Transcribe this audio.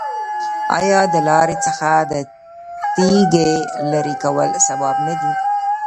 آیا د لارې څخه د تیږې لرې کول ثواب نه دی؟